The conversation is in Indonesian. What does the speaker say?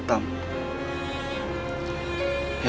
dan tambah hitam